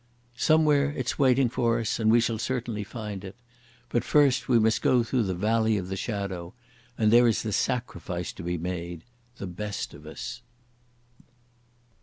"Somewhere it's waiting for us and we shall certainly find it.... But first we must go through the Valley of the Shadow.... And there is the sacrifice to be made ... the best of us."